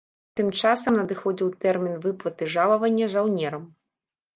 Тым часам надыходзіў тэрмін выплаты жалавання жаўнерам.